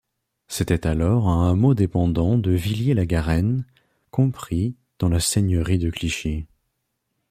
C'était alors un hameau dépendant de Villiers-la-Garenne, compris dans la seigneurie de Clichy.